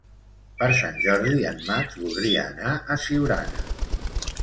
Per Sant Jordi en Max voldria anar a Siurana.